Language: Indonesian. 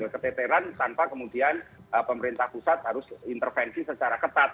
keteteran tanpa kemudian pemerintah pusat harus intervensi secara ketat